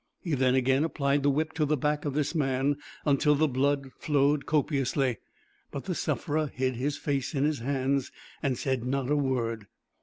He then again applied the whip to the back of this man, until the blood flowed copiously; but the sufferer hid his face in his hands, and said not a word.